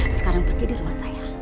sekarang pergi di rumah saya